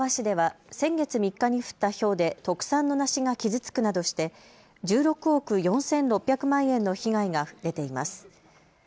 市川市では先月３日に降ったひょうで特産の梨が傷つくなどして１６億４６００万円の被害が出ています。